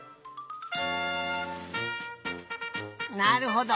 なるほど。